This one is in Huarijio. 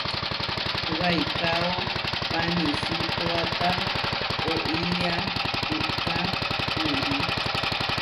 Waikáo panisútoata oʼía puʼká murí.